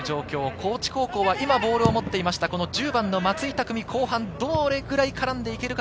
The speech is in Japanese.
高知高校は今、ボールを持っていました１０番の松井匠、後半どれぐらい絡んでいけるか。